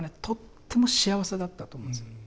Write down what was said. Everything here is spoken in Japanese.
とっても幸せだったと思うんです。